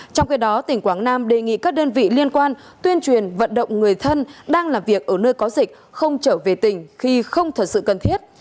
trong khi đó tỉnh quảng nam đề nghị các đơn vị liên quan tuyên truyền vận động người thân đang làm việc ở nơi có dịch không trở về tỉnh khi không thật sự cần thiết